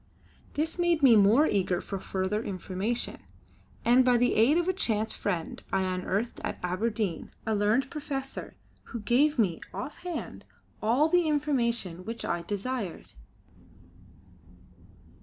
This made me more eager for further information, and by the aid of a chance friend, I unearthed at Aberdeen a learned professor who gave me offhand all the information which I desired.